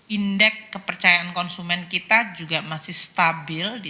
indeks kepercayaan konsumen kita juga masih stabil di satu dua tiga delapan